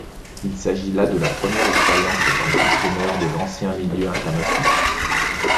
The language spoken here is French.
Il s'agit là de la première expérience, en tant qu'entraineur, de l'ancien milieu international.